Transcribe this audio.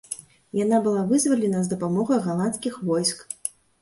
Яна была вызвалена з дапамогай галандскіх войск.